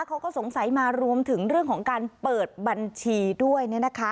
เขาก็สงสัยมารวมถึงเรื่องของการเปิดบัญชีด้วย